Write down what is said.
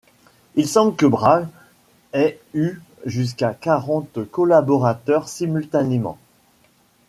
Il semble que Brahe ait eu jusqu'à quarante collaborateurs simultanément.